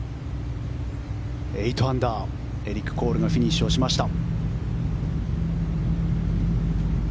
８アンダー、エリック・コールがフィニッシュしました。